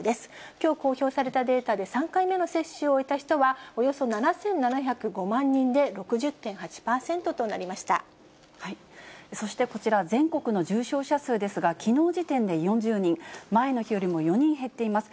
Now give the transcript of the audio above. きょう公表されたデータで、３回目の接種を終えた人は、およそ７７０５万人で６０．８％そしてこちら、全国の重症者数ですが、きのう時点で４０人、前の日よりも４人減っています。